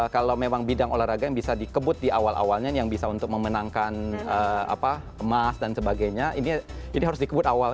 kalau memang bidang olahraga yang bisa dikebut di awal awalnya yang bisa untuk memenangkan emas dan sebagainya ini harus dikebut awal